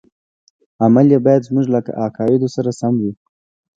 عمل یې باید زموږ له عقایدو سره سم وي.